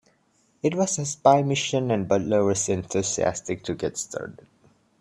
It was a spy mission and Butler was enthusiastic to get started.